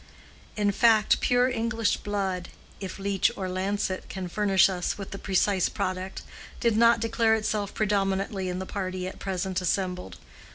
In fact pure English blood (if leech or lancet can furnish us with the precise product) did not declare itself predominantly in the party at present assembled.